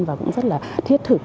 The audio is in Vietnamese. và cũng rất là thiết thực